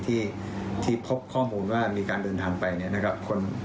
ที่พบข้อมูลว่ามีการเดินทางไปเนี่ยนะครับ